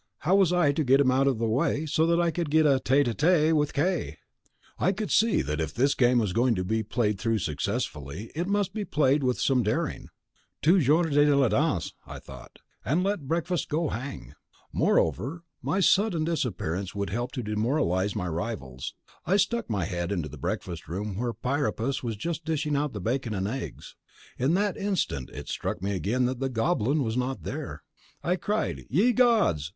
How was I to get him out of the way, so that I could get a tete a tete with K.? I could see that if this game was to be played through successfully it must be played with some daring. Toujours de l'audace! I thought, and let breakfast go hang. Moreover, my sudden disappearance would help to demoralize my rivals. I stuck my head into the breakfast room where Priapus was just dishing out the bacon and eggs. In that instant it struck me again that the Goblin was not there. I cried "Ye Gods!"